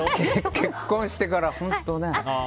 結婚してから本当にね。